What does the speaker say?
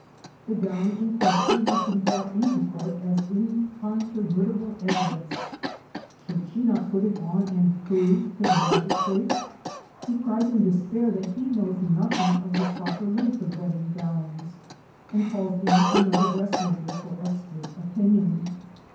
The gown in question has been brought into court as incontrovertible evidence. Should she not put it on and prove to the magistrate, who cries in despair that he knows nothing of the proper length of wedding gowns and calls in another dressmaker for expert opinion.